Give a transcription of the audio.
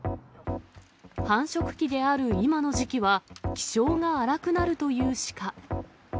繁殖期である今の時期は、気性が荒くなるというシカ。